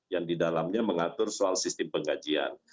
yang di dalamnya mengatur soal sistem penggajian